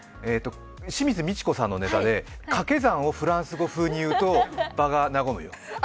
清水ミチコさんのネタで掛け算をフランス語風に言うと、場が和む。